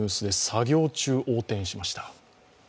作業中、横転しました。